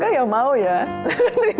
kebanyakan bastian di ulembung